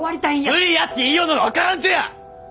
無理やって言いようのが分からんとや！